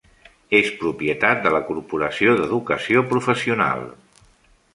És propietat de la Corporació d'Educació Professional.